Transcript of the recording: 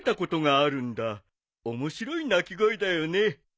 面白い鳴き声だよね。